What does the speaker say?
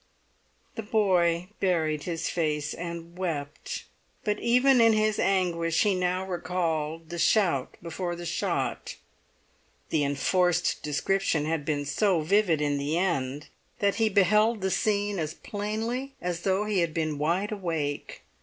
The boy buried his face and wept; but even in his anguish he now recalled the shout before the shot. The enforced description had been so vivid in the end that he beheld the scene as plainly as though he had been wide awake.